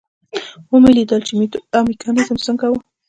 ومې لیدل چې میتود او میکانیزم څنګه و.